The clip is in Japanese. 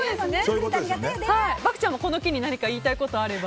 漠ちゃんはこの機に言いたいことがあれば。